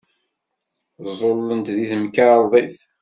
Ẓẓullent deg temkarḍit.